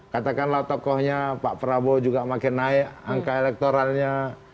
katakanlah tokohnya pak prabowo juga makin naik angka elektoralnya